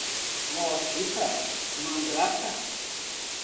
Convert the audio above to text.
mó fita, mandraka